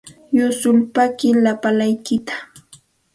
Yusulpaaqi lapalaykitsikta.